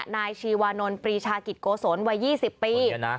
นายชีวานนท์ปรีชากิจโกศลวัย๒๐ปี